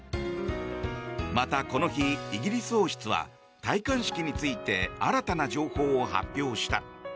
また、この日イギリス王室は戴冠式について新たな情報を発表した。